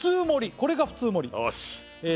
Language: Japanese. これが普通盛りよーし